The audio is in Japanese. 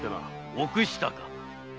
憶したか。